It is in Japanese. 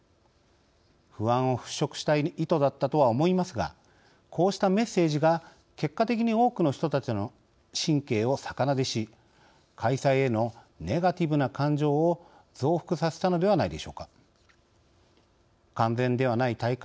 不安を払しょくしたい意図だったとは思いますがこうしたメッセージが、結果的に多くの人たちの神経を逆なでし開催へのネガティブな感情を増幅させたのではないでしょうか。